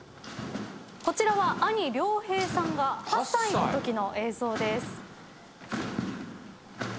こちらは兄凌平さんが８歳のときの映像です。